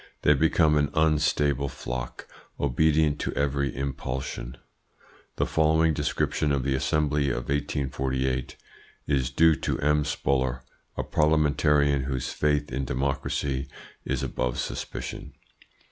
They become an unstable flock, obedient to every impulsion. The following description of the Assembly of 1848 is due to M. Spuller, a parliamentarian whose faith in democracy is above suspicion.